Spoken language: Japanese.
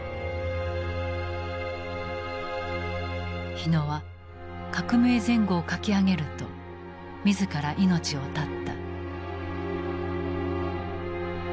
火野は「革命前後」を書き上げると自ら命を絶った。